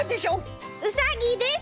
うさぎです！